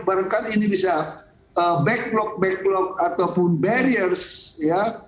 barangkali ini bisa backlog backlog ataupun barriers ya